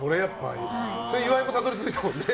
それ岩井もたどり着いたもんね。